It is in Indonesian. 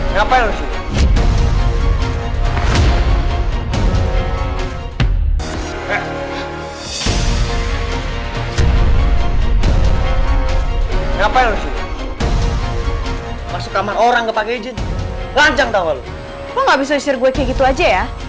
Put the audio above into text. ngapain lu masuk kamar orang kepakeinan lancar tahu lu nggak bisa isir gue kayak gitu aja ya